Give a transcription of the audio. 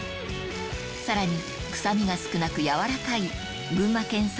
さらに臭みが少なく軟らかい群馬県産